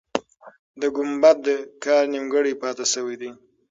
د ګمبد کار نیمګړی پاتې سوی دی.